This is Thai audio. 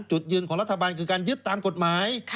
จุดยืนของรัฐบาลคือการยึดตามกฎหมาย